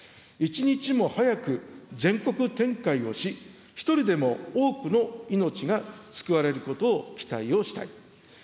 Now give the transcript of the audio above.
一日も早く全国展開をし、一人でも多くの命が救われることを期待をしたい。